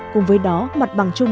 cùng với đó mặt bằng chung